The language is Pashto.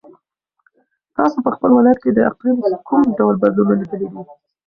تاسو په خپل ولایت کې د اقلیم کوم ډول بدلونونه لیدلي دي؟